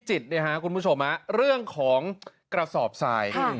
พี่จิตนะครับคุณผู้ชมเรื่องของกระสอบซาย